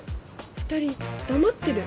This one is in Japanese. ２人黙ってる？